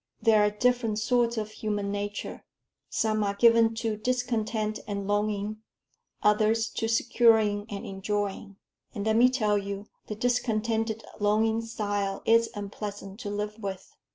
There are different sorts of human nature. Some are given to discontent and longing, others to securing and enjoying. And let me tell you, the discontented longing style is unpleasant to live with."